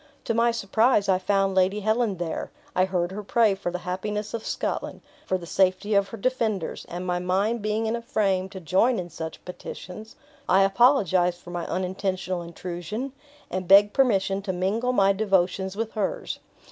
To my surprise, I found Lady Helen there, I heard her pray for the happiness of Scotland, for the safety of her defenders; and my mind being in a frame to join in such petitions, I apologized for my unintentional intrusion, and begged permission to mingle my devotions with hers.